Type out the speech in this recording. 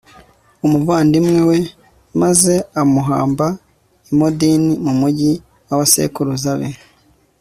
umuvandimwe we, maze amuhamba i modini mu mugi w'abasekuruza be